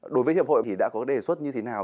đối với hiệp hội thì đã có đề xuất như thế nào